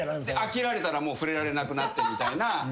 飽きられたら触れられなくなってみたいな。